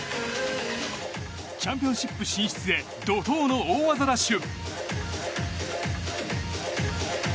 チャンピオンシップ進出へ怒涛の大技ラッシュ。